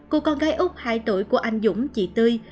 cô con gái úc hai tuổi của anh dũng chị tươi